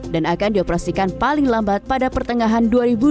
dan akan dioperasikan paling lambat pada pertengahan dua ribu dua puluh tiga